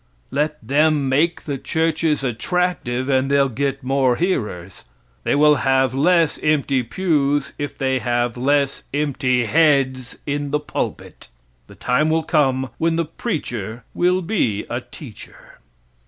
Let them make the churches attractive and they'll get more hearers. They will have less empty pews if they have less empty heads in the pulpit. The time will come when the preacher will become a teacher.